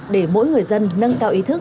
để mỗi người dân nâng cao ý thức